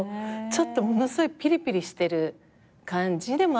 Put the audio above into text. ちょっとものすごいピリピリしてる感じ。